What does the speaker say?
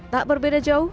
tak berbeda jauh